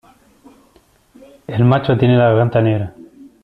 El macho tiene la garganta negra.